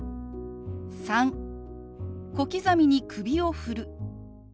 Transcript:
３小刻みに首を振る。